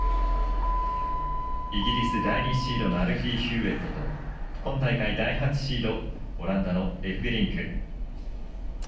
イギリス、第２シードのアルフィー・ヒューウェットと今大会、第８シードオランダのエフベリンク。